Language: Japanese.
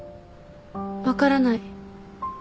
分からない。